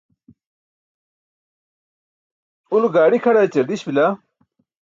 ulo gaaḍi kʰaḍa ećar diś bila?